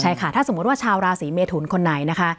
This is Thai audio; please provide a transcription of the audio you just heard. ใช่ค่ะถ้าสมมุติว่าชาวราศีเมทุนคนไหนนะคะ